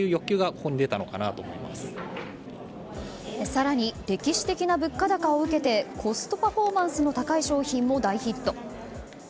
更に、歴史的な物価高を受けてコストパフォーマンスの高い商品も大ヒット。